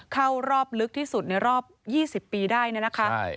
เข้ารอบลึกที่สุดในรอบ๒๐ปีได้เนี่ยนะคะ